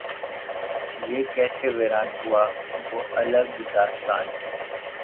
یہ کیسے ویران ہوا وہ الگ داستان ہے۔